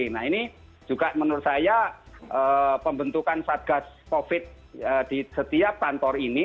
nah ini juga menurut saya pembentukan satgas covid di setiap kantor ini